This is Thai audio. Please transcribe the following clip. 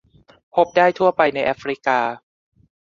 พบได้ทั่วไปในแอฟริกา